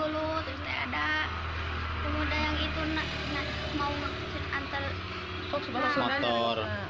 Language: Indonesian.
terus ada kemudian yang itu mau antar